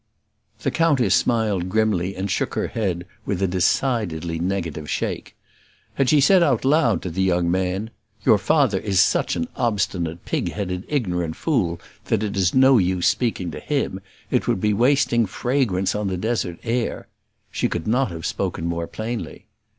The countess smiled grimly, and shook her head with a decidedly negative shake. Had she said out loud to the young man, "Your father is such an obstinate, pig headed, ignorant fool, that it is no use speaking to him; it would be wasting fragrance on the desert air," she could not have spoken more plainly.